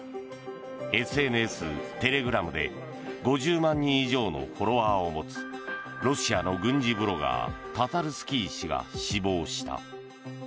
ＳＮＳ、テレグラムで５０万人以上のフォロワーを持つロシアの軍事ブロガータタルスキー氏が死亡した。